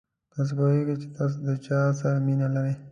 تاسو پوهېږئ چې تاسو د چا سره مینه لرئ.